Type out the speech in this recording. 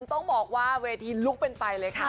ต้องบอกว่าเวทีลุกเป็นไปเลยค่ะ